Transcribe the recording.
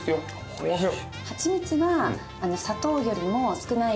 おいしい。